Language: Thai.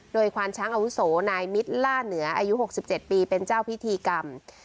โดยควานช้างอาวุโสนายมิตรล่าเหนืออายุ๖๗ปีเป็นเจ้าพิธีกรรม